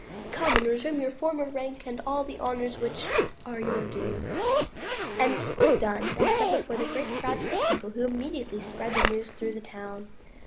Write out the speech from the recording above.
Come and resume your former rank and all the honors which are your due." All this was done and said before great crowds of people who immediately spread the news through the town.